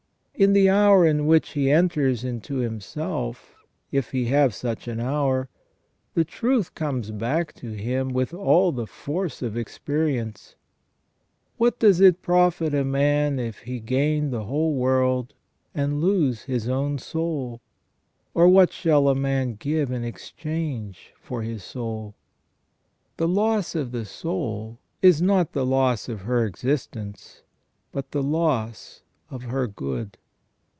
In the hour in which he enters into himself, if he have such an hour, the truth comes back to him with all the force of experience :" What does it profit a man if he gain the whole world, and lose his own soul ; or what shall a man give in exchange for his soul ?" The loss of the soul is not the loss of her existence, but the loss of her good.